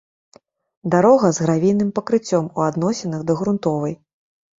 дарога з гравійным пакрыццём у адносінах да грунтавой